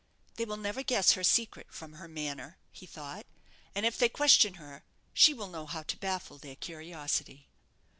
"They will never guess her secret from her manner," he thought; "and if they question her, she will know how to baffle their curiosity."